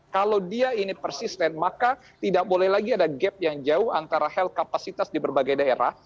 kalau dia ini persisten maka tidak boleh lagi ada gap yang jauh antara health kapasitas di berbagai daerah